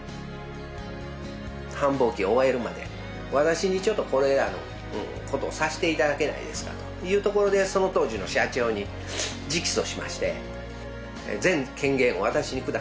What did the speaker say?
繁忙期を終えるまで私にちょっとこれ事をさせていただけないですかというところでその当時の社長に直訴しまして。